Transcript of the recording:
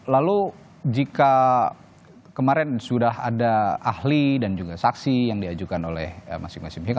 lalu jika kemarin sudah ada ahli dan juga saksi yang diajukan oleh masing masing pihak